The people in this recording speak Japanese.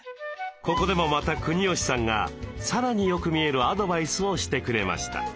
ここでもまた国吉さんがさらによく見えるアドバイスをしてくれました。